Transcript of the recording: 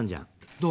どう？